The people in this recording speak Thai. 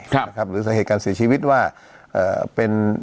หรือสาเหตุการเสียชีวิตว่าเอ่อเป็น